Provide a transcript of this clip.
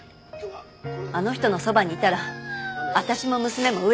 あの人のそばにいたら私も娘も飢え死にです。